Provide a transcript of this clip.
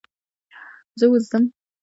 زه اوس ځم .